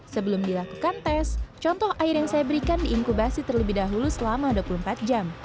sebelum dilakukan tes contoh air yang saya berikan diinkubasi terlebih dahulu selama dua puluh empat jam